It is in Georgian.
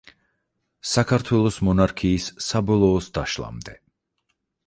საქართველოს მონარქიის საბოლოოს დაშლამდე.